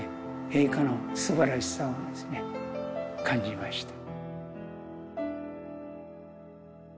陛下の素晴らしさを感じました。